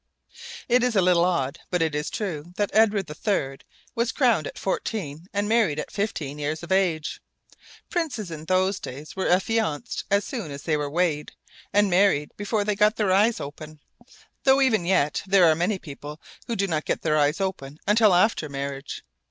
It is a little odd, but it is true, that Edward III. was crowned at fourteen and married at fifteen years of age. Princes in those days were affianced as soon as they were weighed, and married before they got their eyes open, though even yet there are many people who do not get their eyes opened until after marriage.